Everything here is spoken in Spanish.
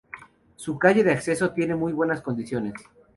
Su calle de acceso tiene muy buenas condiciones.